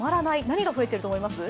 何が増えてると思います？